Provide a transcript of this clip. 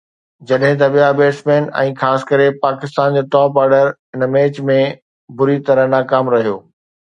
جڏهن ته ٻيا بيٽسمين ۽ خاص ڪري پاڪستان جو ٽاپ آرڊر ان ميچ ۾ بُري طرح ناڪام رهيو.